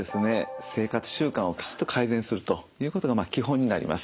生活習慣をきちっと改善するということが基本になります。